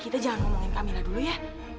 kita jangan ngomongin camillah dulu ya